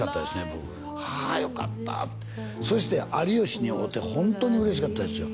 僕「ああよかった」ってそして有吉に会うてホントに嬉しかったですよ